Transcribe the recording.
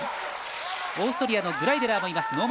オーストリアのグライデラーもいる。